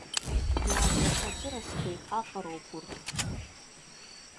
Иаацәырҟьацәырасқәеит аҟароуп урҭ.